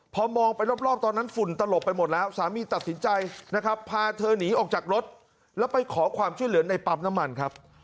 พอมองไปรอบตอนนั้นฝุ่นตลบไปหมดแล้วสามีตัดสินใจนะครับพาเธอหนีออกจากรถแล้วไปขอความช่วยเหลือในปั๊มน้ำมันครับ